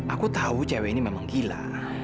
aku tahu cewek ini memang gila